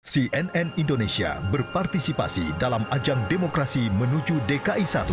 cnn indonesia berpartisipasi dalam ajang demokrasi menuju dki satu